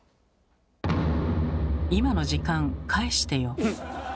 今の時間返してよ。